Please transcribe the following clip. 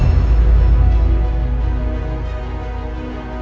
saya akan mencari kebenaran